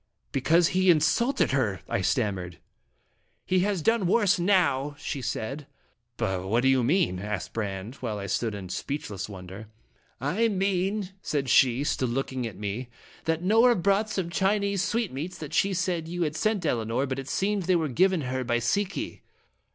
Because he insulted her," I stammered. " He has done worse now !" she said. "What do you mean?" asked Brande, while I stood in speechless wonder. "I mean," said she, still looking at me, "that Nora brought some Chinese sweetmeats that she said you had sent Elinor, but it seems they were given her by Si ki."